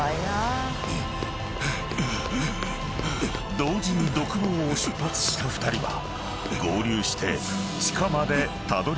［同時に独房を出発した２人は合流して］